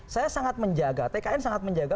saya sangat menjaga tkn sangat menjaga